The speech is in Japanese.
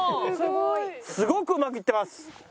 すごくうまくいってます！